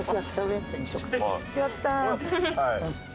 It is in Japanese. やったー。